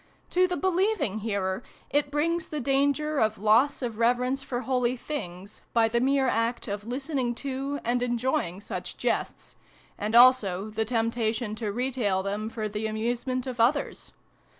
To the believing hearer it brings the danger of loss of reverence for holy things, by the mere act of listening to, and enjoying, such jests ; and also the temptation to retail them for the amusement of others.